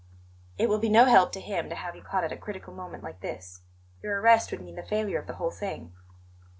"It will be no help to him to have you caught at a critical moment like this. Your arrest would mean the failure of the whole thing."